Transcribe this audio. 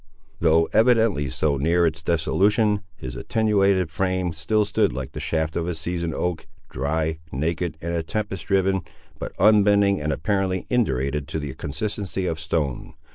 Though evidently so near its dissolution, his attenuated frame still stood like the shaft of seasoned oak, dry, naked, and tempest driven, but unbending and apparently indurated to the consistency of stone.